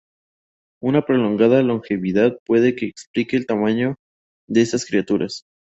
Una prolongada longevidad puede que explique el gran tamaño de esas criaturas.